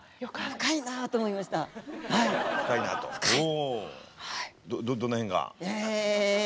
深いなとお。